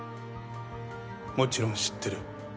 もちろん知ってる。